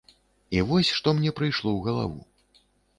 І вось што мне прыйшло ў галаву.